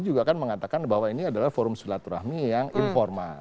juga kan mengatakan bahwa ini adalah forum silaturahmi yang informal